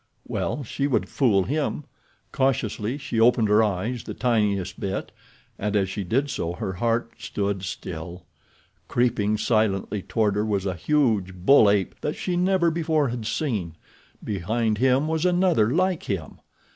Well, she would fool him. Cautiously she opened her eyes the tiniest bit, and as she did so her heart stood still. Creeping silently toward her was a huge bull ape that she never before had seen. Behind him was another like him.